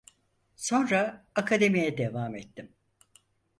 Sonra akademiye devam ettim.